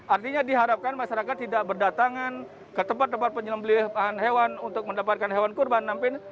artinya diharapkan masyarakat tidak berdatangan ke tempat tempat penyembelihan hewan untuk mendapatkan hewan kurban